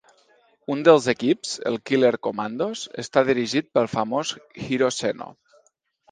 Un dels equips, el Killer Commandos, està dirigit pel famós Hiro Seno.